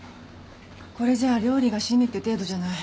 これじゃあ料理が趣味って程度じゃない。